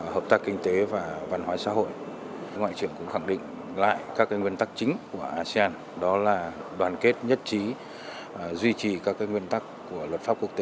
hợp tác kinh tế và văn hóa xã hội ngoại trưởng cũng khẳng định lại các nguyên tắc chính của asean đó là đoàn kết nhất trí duy trì các nguyên tắc của luật pháp quốc tế